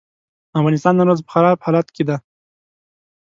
افغانستان نن ورځ په خراب حالت کې دی.